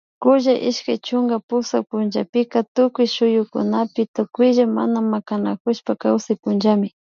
kulla ishkay chunka pusak punllapika tukuy suyukunapi tukuylla mana makanakushpa kawsay punllami